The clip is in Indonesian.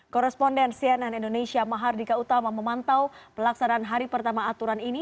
koresponden cnn indonesia mahardika utama memantau pelaksanaan hari pertama aturan ini